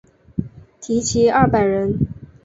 缇骑二百人。